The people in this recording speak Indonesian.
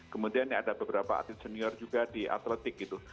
kemudian ada beberapa atlet senior juga di atletik gitu